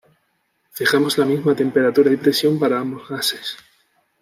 Fijamos la misma temperatura y presión para ambos gases.